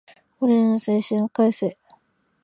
俺らの青春を返せ